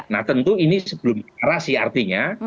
nah tentu ini sebelum deklarasi artinya